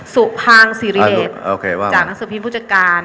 สุภางศิริเดชจากหนังสือพิมพ์ผู้จัดการ